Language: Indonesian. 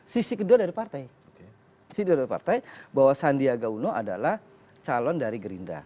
sisi kedua dari partai sisi dari partai bahwa sandiaga uno adalah calon dari gerindra